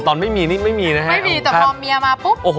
ตอนไม่มีนี่ไม่มีนะครับผม